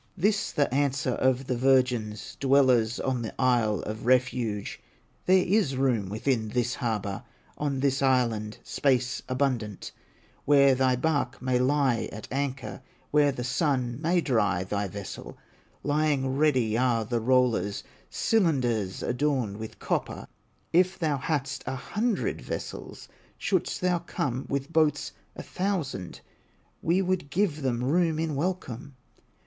This the answer of the virgins, Dwellers on the Isle of Refuge: "There is room within this harbor, On this island, space abundant, Where thy bark may lie at anchor, Where the sun may dry thy vessel; Lying ready are the rollers, Cylinders adorned with copper; If thou hadst a hundred vessels, Shouldst thou come with boats a thousand, We would give them room in welcome."